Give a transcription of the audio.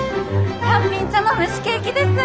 さんぴん茶の蒸しケーキです。